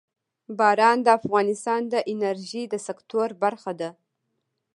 باران د افغانستان د انرژۍ د سکتور برخه ده.